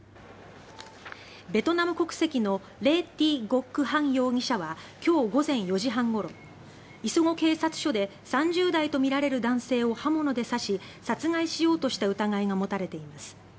ベトナム国籍のレ・ティ・ゴック・ハン容疑者は今日午前４時半ごろ磯子警察署で３０代とみられる男性を刃物で刺し殺害しようとした疑いが持たれています。